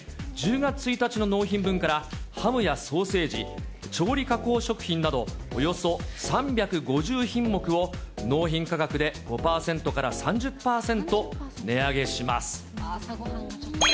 １０月１日の納品分からハムやソーセージ、調理加工食品など、およそ３５０品目を、納品価格で５％から３０％値上げします。